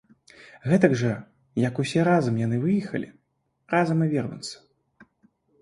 Гэтак жа як усе разам яны выехалі, разам і вернуцца.